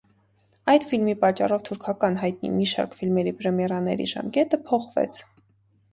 Այդ ֆիլմի պատճառով թուրքական հայտնի մի շարք ֆիլմերի պրեմիերաների ժամկետը փոխվեց։